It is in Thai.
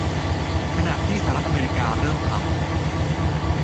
ขณะที่สหรัฐอเมริกาเริ่มทำ